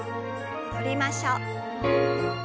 戻りましょう。